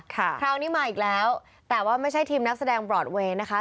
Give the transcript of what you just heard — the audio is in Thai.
คราวนี้มาอีกแล้วแต่ว่าไม่ใช่ทีมนักแสดงบรอดเวย์นะคะ